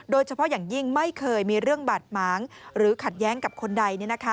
โดยเฉพาะอย่างยิ่งไม่เคยมีเรื่องบาดหมางหรือขัดแย้งกับคนใด